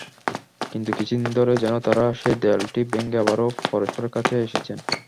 কিন্তু কিছুদিন ধরে যেন তাঁরা সেই দেয়ালটি ভেঙে আবারও পরস্পরের কাছে এসেছেন।